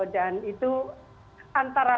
dan itu antara